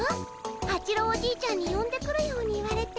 八郎おじいちゃんによんでくるように言われて。